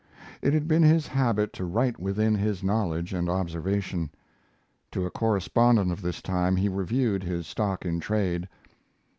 It had been his habit to write within his knowledge and observation. To a correspondent of this time he reviewed his stock in trade